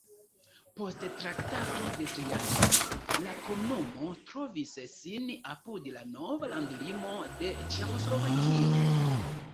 Post Traktato de Trianon la komunumo trovis sin apud la nova landlimo de Ĉeĥoslovakio.